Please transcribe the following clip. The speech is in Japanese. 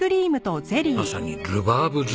まさにルバーブ尽くし。